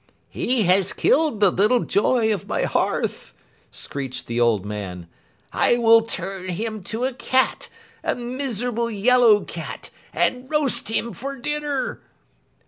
"He has killed the little joy of my hearth!" screeched the old man. "I will turn him to a cat, a miserable yellow cat, and roast him for dinner!"